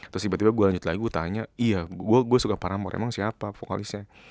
terus tiba tiba gue lanjut lagi gue tanya iya gue suka paramo emang siapa vokalisnya